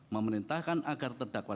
memerintahkan agar terdakwa